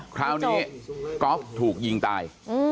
คราวนี้ก๊อฟถูกยิงตาย